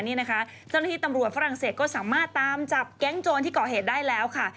นี่นะคะเจ้าหน้าที่ตำรวจฝรั่งเศสก็สามารถตามจับแก๊งโจรที่ก่อเหตุได้แล้วค่ะ